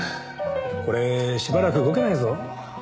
これしばらく動けないぞ。